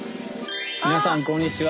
皆さんこんにちは。